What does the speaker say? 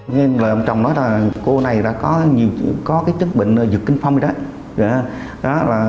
nghe lời ông trọng nói là cô này đã có chất bệnh giật kinh phong rồi đó